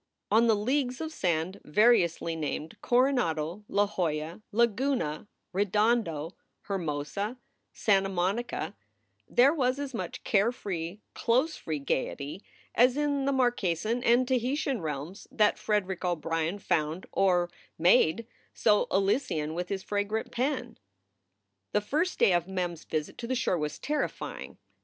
On the leagues of sand variously named Coronado, La Jolla, Laguna, Re dondo, Hermosa, Santa Monica, there was as much care free, clothes free gayety as in the Marquesan and Tahitian realms that Frederick O Brien found, or made, so Elysian with his fragrant pen. The first day of Mem s visit to the shore was terrifying.